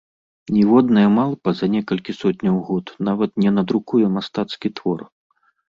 Ніводная малпа за некалькі сотняў год нават не надрукуе мастацкі твор.